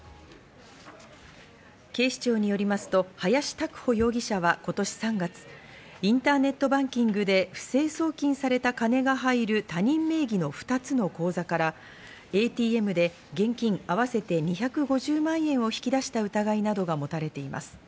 警視庁によりますと林沢凡容疑者は今年３月、インターネットバンキングで不正送金された金が入る他人名義の２つの口座からＡＴＭで現金、合わせて２５０万円を引き出した疑いなどが持たれています。